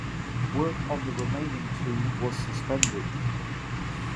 Work on the remaining two was suspended.